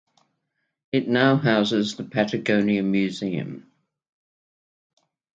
It now houses the Patagonia Museum.